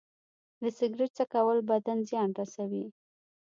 د سګرټ څکول بدن زیان رسوي.